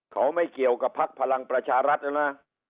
เขาไม่เกี่ยวกับภักดิ์พลังประชารัฐแล้วนะ